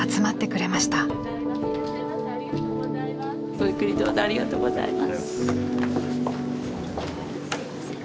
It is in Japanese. ごゆっくりどうぞありがとうございます。